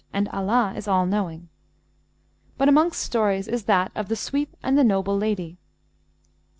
And Allah is All knowing. But amongst stories is that of THE SWEEP AND THE NOBLE LADY.